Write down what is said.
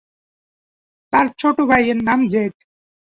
তার ছোট ভাইয়ের নাম ডেভ।